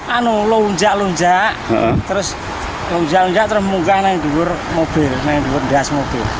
jalan jalan terbuka dengan mobil dengan gas mobil